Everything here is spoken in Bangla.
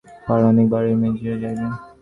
পাড়ার অনেক বাড়ির মেয়েরা যাইবে।